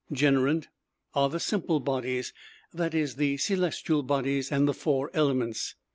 Generant are the simple bodies; that is, the celestial bodies and the four elements.